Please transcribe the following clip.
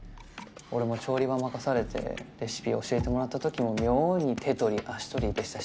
俺も調理場任されてレシピ教えてもらった時も妙に手取り足取りでしたし。